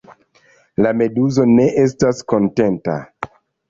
La meduzo ne estas kontenta.